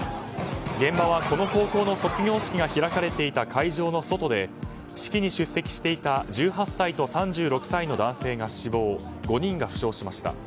現場はこの高校の卒業式が開かれていた会場の外で、式に出席していた１８歳と３６歳の男性が死亡５人が負傷しました。